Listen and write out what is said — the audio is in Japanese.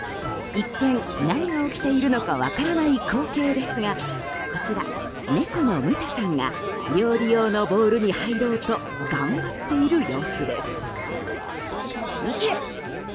一見何が起きているのか分からない光景ですがこちら、猫のむたさんが料理用のボウルに入ろうと頑張っている様子です。